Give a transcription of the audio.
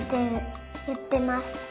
やってます。